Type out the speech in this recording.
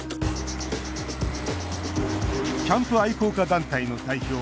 キャンプ愛好家団体の代表